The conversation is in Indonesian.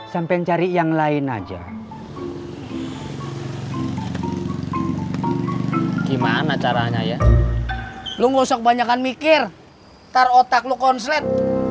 sampai cari yang lain aja gimana caranya ya lu gosok banyakan mikir taruh otak lu konslet